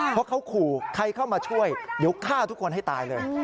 เพราะเขาขู่ใครเข้ามาช่วยเดี๋ยวฆ่าทุกคนให้ตายเลย